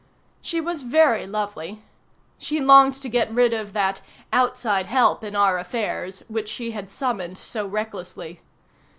She was very lovely. She longed to get rid of that "outside help in our affairs" which she had summoned so recklessly.